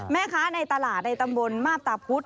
แม่ค้าในตลาดในตำบลมาบตาพุธ